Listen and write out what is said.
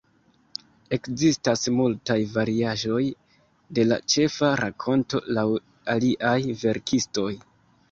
Ekzistas multaj variaĵoj de la ĉefa rakonto laŭ aliaj verkistoj.